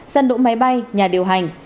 sân đỗ máy bay nhà điều hành